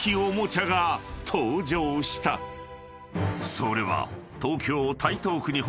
［それは］